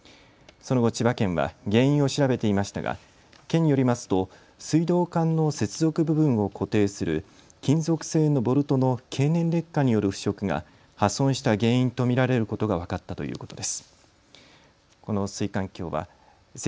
その後、千葉県は原因を調べていましたが県によりますと水道管の接続部分を固定する金属製のボルトの経年劣化による腐食が破損した原因と見られることが分かったということです。